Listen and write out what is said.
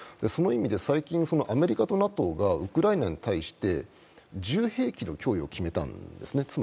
その意味で最近、アメリカとＮＡＴＯがウクライナに対して銃兵器の供与を決めたんですね。